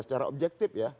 secara objektif ya